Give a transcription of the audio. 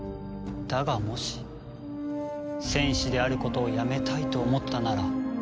だがもし戦士であることを辞めたいと思ったなら。